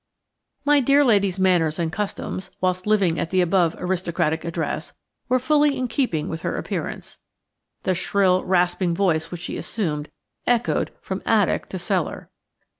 My dear lady's manners and customs, whilst living at the above aristocratic address, were fully in keeping with her appearance. The shrill, rasping voice which she assumed echoed from attic to cellar.